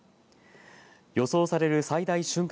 予想される最大瞬間